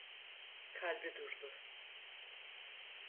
Kalbi durdu.